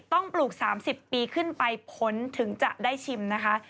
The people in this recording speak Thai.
ปลูก๓๐ปีขึ้นไปผลถึงจะได้ชิมนะคะ